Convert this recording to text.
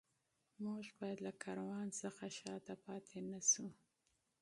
موږ باید له کاروان څخه شاته پاتې نه شو.